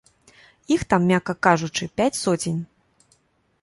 Іх там, мякка кажучы, пяць соцень.